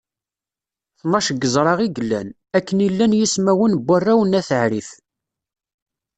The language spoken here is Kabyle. Tnac n yeẓra i yellan, akken i llan yismawen n warraw n At Ɛrif.